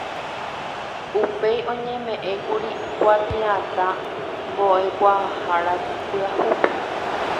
Upéi oñemeʼẽkuri kuatiaʼatã Mboʼekuaahára pyahúpe.